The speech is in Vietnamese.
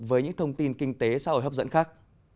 với những thông tin kinh tế xã hội hấp dẫn khác